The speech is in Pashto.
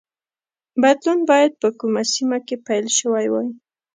بدلون باید په کومه سیمه کې پیل شوی وای